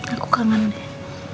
aku kangen deh